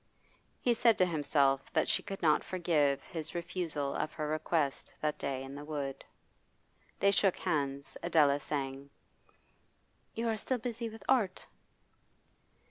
He said to himself that she could not forgive his refusal of her request that day in the wood. They shook hands, Adela saying: 'You are still busy with art?